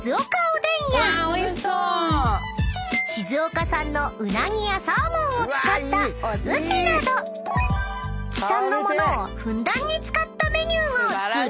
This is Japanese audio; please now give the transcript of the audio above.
［静岡産のうなぎやサーモンを使ったお寿司など地産の物をふんだんに使ったメニューがずらり］